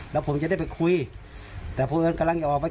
แล้วผมจะได้ไปคุยแต่พอเอิญกำลังจะออกไป